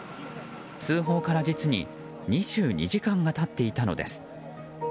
通報から実に２２時間が経っていたのです。